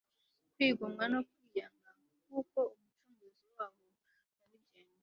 kwigomwa no kwiyanga nkuko Umucunguzi wabo yabigenje